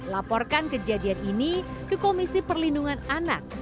laporkan kejadian ini ke komisi perlindungan anak